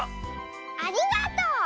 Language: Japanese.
ありがとう！